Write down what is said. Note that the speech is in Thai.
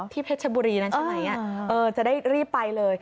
เพชรบุรีนั้นใช่ไหมจะได้รีบไปเลย